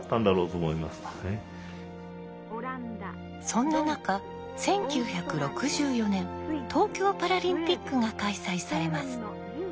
そんな中１９６４年東京パラリンピックが開催されます。